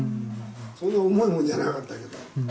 そんな重いもんじゃなかったけど。